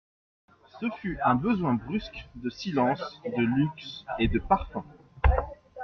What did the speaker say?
Ce fut un besoin brusque de silence, de luxe et de parfums.